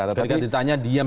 jadi ketika ditanya diam